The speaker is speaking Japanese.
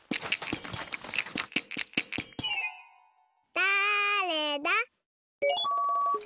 だれだ？